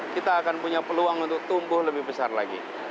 kita akan punya peluang untuk tumbuh lebih besar lagi